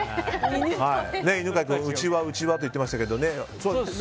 犬飼君うちは、うちはと言っていましたけどね。